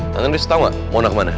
tante nis tau gak mau na kemana